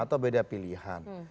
atau beda pilihan